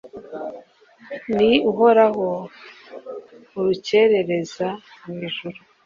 ni uhoraho, urukerereza mu ijuru